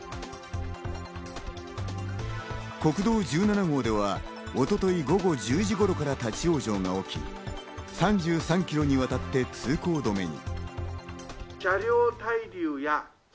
国道１７号では、一昨日午後１０時頃から立ち往生が起き、３３キロにわたって通行止めに。